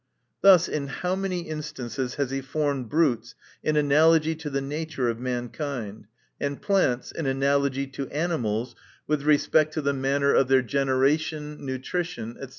Thus, in how many instances has he formed brutes in analogy to the nature of mankind ? And plants in analogy to animals with respect to the man ner of their generation, nutrition, &c.